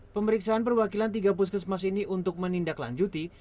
pemeriksaan perwakilan tiga puskesmas ini untuk menindaklanjuti